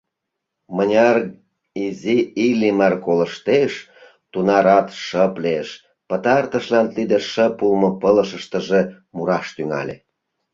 Мыняр изи Иллимар колыштеш, тунарат шып лиеш, пытартышлан тиде шып улмо пылышыштыже мураш тӱҥале.